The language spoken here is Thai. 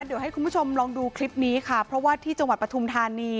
เดี๋ยวให้คุณผู้ชมลองดูคลิปนี้ค่ะเพราะว่าที่จังหวัดปฐุมธานี